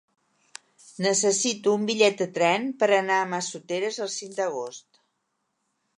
Necessito un bitllet de tren per anar a Massoteres el cinc d'agost.